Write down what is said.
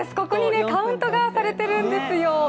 ここにカウントがされているんですよ。